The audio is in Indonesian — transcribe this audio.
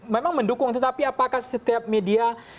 memang mendukung tetapi apakah setiap media